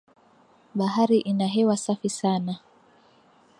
Bahari ina hewa safi sana